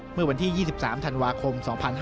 เมื่อวันที่๒๓ธันวาคม๒๕๕๙